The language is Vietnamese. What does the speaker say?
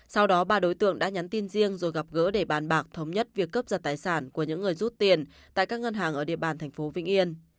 sau đó ba đối tượng đã nhắn tin riêng rồi gặp gỡ để bàn bạc thống nhất việc cấp giật tài sản của những người rút tiền tại các ngân hàng ở địa bàn thành phố vĩnh yên